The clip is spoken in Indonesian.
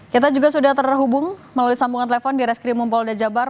kita juga sudah terhubung melalui sambungan telepon di reskrimum polda jabar